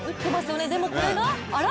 でもこれがあら？